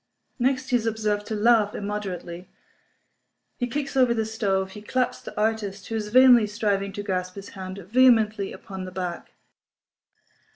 Next he is observed to laugh immoderately; he kicks over the stove; he claps the artist (who is vainly striving to grasp his hand) vehemently upon the back.